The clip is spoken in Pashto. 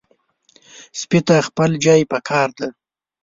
سپي ته خپل ځای پکار دی.